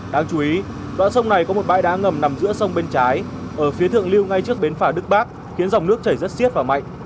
đáng chú ý đoạn sông này có một bãi đá ngầm nằm giữa sông bên trái ở phía thượng lưu ngay trước bến phà đức bắc khiến dòng nước chảy rất xiết và mạnh